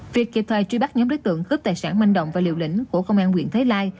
việc kịp thời truy bắt nhóm đối tượng cướp tài sản manh động và liều lĩnh của công an quyện thới lai